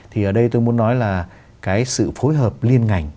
thì ở đây tôi muốn nói là cái sự phối hợp liên ngành